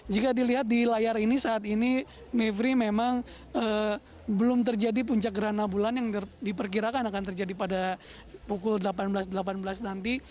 jika dilihat di layar ini saat ini mevri memang belum terjadi puncak gerhana bulan yang diperkirakan akan terjadi pada pukul delapan belas delapan belas nanti